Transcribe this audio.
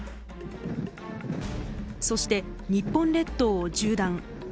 そして日本列島を縦断。